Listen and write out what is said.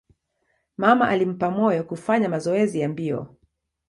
Mama alimpa moyo kufanya mazoezi ya mbio.